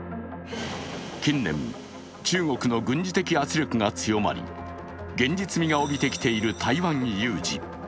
近年、中国の軍事的圧力が強まり現実味が帯びてきている台湾有事。